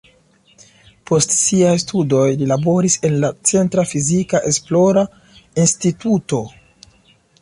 Post siaj studoj li laboris en la centra fizika esplora instituto.